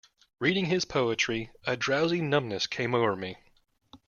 Reading his poetry, a drowsy numbness came over me.